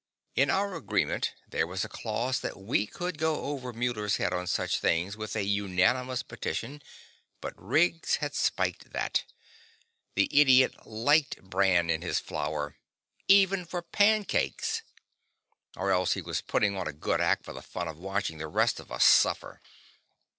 In our agreement, there was a clause that we could go over Muller's head on such things with a unanimous petition but Riggs had spiked that. The idiot liked bran in his flour, even for pancakes! Or else he was putting on a good act for the fun of watching the rest of us suffer.